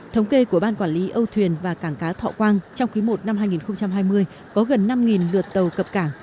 thống kê của ban quản lý âu thuyền và cảng cá thọ quang trong quý i năm hai nghìn hai mươi có gần năm lượt tàu cập cảng